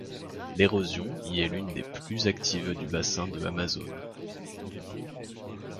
L'érosion y est l'une des plus actives du bassin de Amazone.